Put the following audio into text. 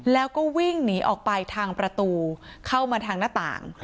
แล้วก็วิ่งหนีออกไปทางประตูเข้ามาทางหน้าต่าง